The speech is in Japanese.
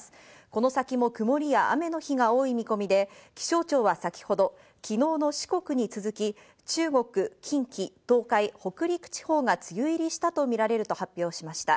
この先も曇りや雨の日が多い見込みで、気象庁は先ほど昨日の四国に続き、中国、近畿、東海、北陸地方が梅雨入りしたとみられると発表しました。